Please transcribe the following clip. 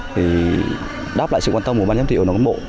thì đáp lại sự quan tâm của ban giám thị ở đồng bộ